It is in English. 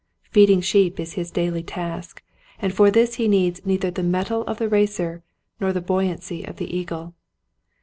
Feeding sheep is his daily task and for this he needs neither the mettle of the racer nor the buoyancy of the eagle.